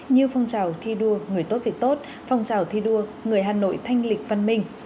như phong trào thi đua người tốt việc tốt phong trào thi đua người hà nội thanh lịch văn minh